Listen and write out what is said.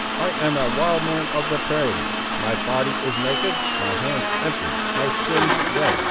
I am a wild man of the prairies; my body is naked; my hands empty; my skin red.